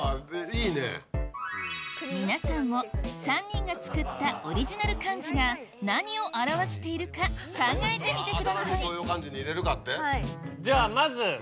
皆さんも３人が作ったオリジナル漢字が何を表しているか考えてみてくださいじゃあまず。